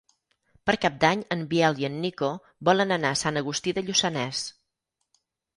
Per Cap d'Any en Biel i en Nico volen anar a Sant Agustí de Lluçanès.